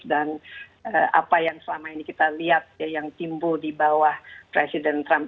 dan apa yang selama ini kita lihat yang timbul di bawah presiden trump